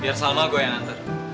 biar salma gue yang nganter